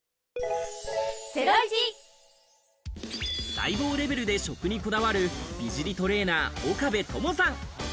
細胞レベルで食にこだわる、美尻トレーナー・岡部友さん。